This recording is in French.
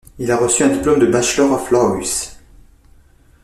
Il a reçu un diplôme de Bachelor of Laws.